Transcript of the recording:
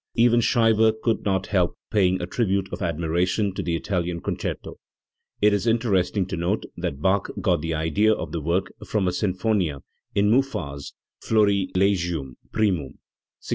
Even Scheibe could not help paying a tribute of admiration to the Italian Concerto, It is interesting to note that Bach got the idea of the work from a sinfonia in Muffat's Florilegium primum (1695).